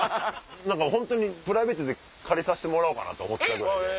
プライベートで借りさせてもらおうと思ってたぐらいで。